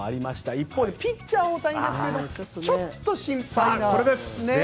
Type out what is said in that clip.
一方、ピッチャー大谷ですがちょっと心配な。